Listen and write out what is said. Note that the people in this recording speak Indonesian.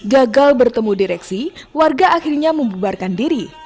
gagal bertemu direksi warga akhirnya membubarkan diri